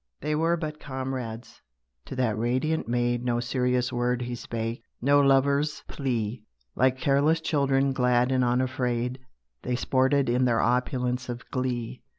They were but comrades. To that radiant maid No serious word he spake; no lovers' plea. Like careless children, glad and unafraid, They sported in their opulence of glee.